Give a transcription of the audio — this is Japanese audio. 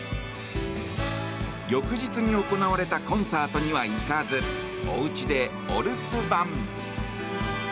翌日に行われたコンサートには行かずおうちでお留守番。